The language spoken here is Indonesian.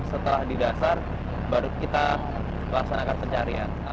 setelah di dasar baru kita laksanakan pencarian